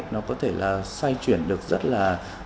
nó có thể là xoay chuyển được rất là